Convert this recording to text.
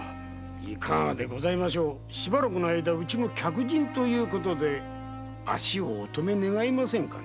いかがでしょうしばらくの間うちの客人ということで足をおとめ願えませんか？